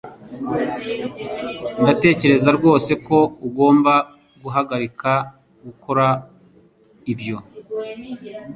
Ndatekereza rwose ko ugomba guhagarika gukora ibyo.